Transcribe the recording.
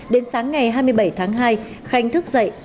đến sáng ngày hai mươi bảy tháng hai khanh thức dậy